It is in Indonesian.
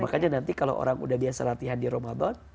makanya nanti kalau orang udah biasa latihan di ramadan